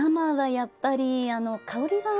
やっぱりね。